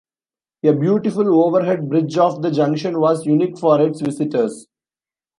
A beautiful overhead bridge of the junction was unique for its visitors.